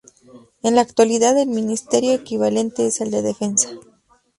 En la actualidad el ministerio equivalente es el de Defensa.